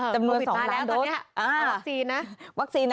จำนวน๒ล้านโดส